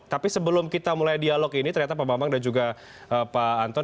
tapi sebelum kita mulai dialog ini ternyata pak bambang dan juga pak anton